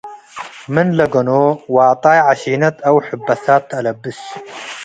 ምን ለገኖ እግል ዋጣይ ዐሺነት አው ሕብሳት ተአለብስ ።